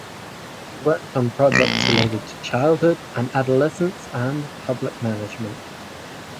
She worked on projects related to childhood and adolescence and public management.